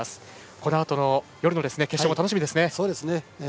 このあとの夜の決勝が楽しみですね。